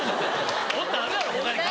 もっとあるやろ他に。